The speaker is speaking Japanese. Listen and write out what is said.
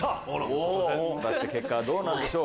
果たして結果はどうでしょう？